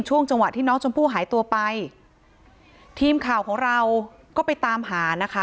ช่วงจังหวะที่น้องชมพู่หายตัวไปทีมข่าวของเราก็ไปตามหานะคะ